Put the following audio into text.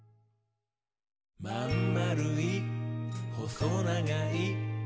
「まんまるい？ほそながい？」